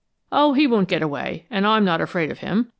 "Oh, he won't get away, and I'm not afraid of him!